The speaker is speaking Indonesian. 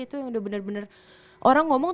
itu yang udah bener bener orang ngomong